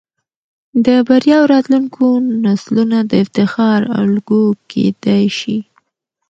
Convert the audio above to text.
د بريا او راتلونکو نسلونه د افتخار الګو کېدى شي.